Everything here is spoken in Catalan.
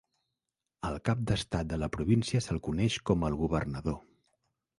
Al cap d'estat de la província se'l coneix com el Governador.